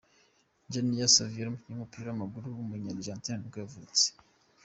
Javier Saviola, umukinnyi w’umupira w’amaguru w’umunya Argentine nibwo yavutse.